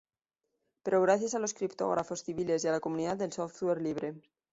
Pero gracias a los criptógrafos civiles y a la comunidad del Software Libre